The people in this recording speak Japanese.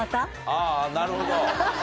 あー、なるほど。